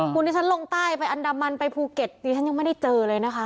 คุณที่ฉันลงใต้ไปอันดามันไปภูเก็ตดิฉันยังไม่ได้เจอเลยนะคะ